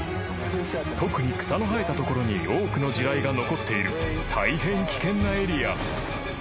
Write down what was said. ［特に草の生えた所に多くの地雷が残っている大変危険なエリア］